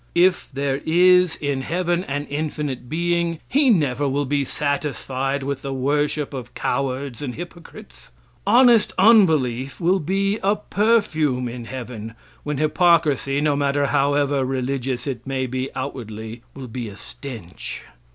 If there is in heaven an infinite being, he never will be satisfied with the worship of cowards and hypocrites. Honest unbelief will be a perfume in heaven when hypocrisy, no matter however religious it may be outwardly, will be a stench.